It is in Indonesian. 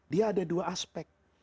dia ada dua aspek